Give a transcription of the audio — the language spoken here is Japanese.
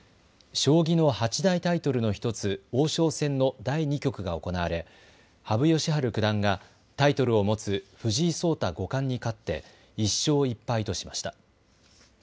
将棋の八大タイトルの１つ王将戦の第２局が行われ羽生善治九段がタイトルを持つ藤井聡太五冠に勝って１勝１敗としました。